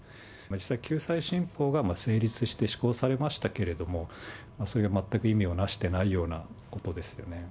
救済新法が成立して、施行されましたけれども、それがまったく意味をなしてないようなことですよね。